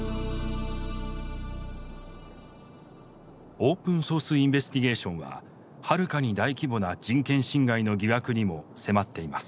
オープンソース・インベスティゲーションははるかに大規模な人権侵害の疑惑にも迫っています。